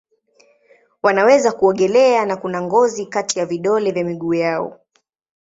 Wanaweza kuogelea na kuna ngozi kati ya vidole vya miguu yao.